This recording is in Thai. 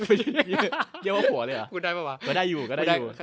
เขียวว่าผัวเลยเหรอก็ได้อยู่ฮ่า